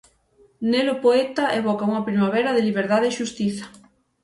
Nel o poeta evoca unha primavera de liberdade e xustiza.